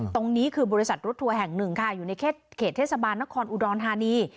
ตรงนี้คือบริษัทรถทัวร์แห่งหนึ่งค่ะอยู่ในเขตเทศบาลนครอุดรธานี